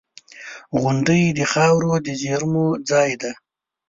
• غونډۍ د خاورو د زېرمو ځای دی.